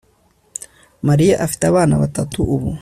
Mariya afite abana batatu ubu